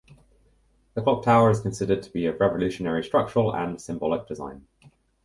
The clock tower is considered to be of revolutionary structural and symbolic design.